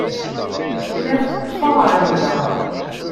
Imir teṭṭef-aɣ rrehba.